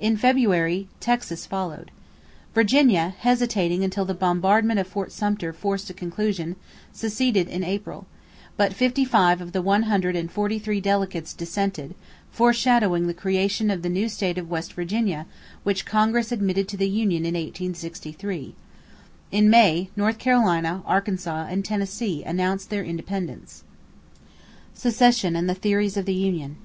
In February, Texas followed. Virginia, hesitating until the bombardment of Fort Sumter forced a conclusion, seceded in April; but fifty five of the one hundred and forty three delegates dissented, foreshadowing the creation of the new state of West Virginia which Congress admitted to the union in 1863. In May, North Carolina, Arkansas, and Tennessee announced their independence. =Secession and the Theories of the Union.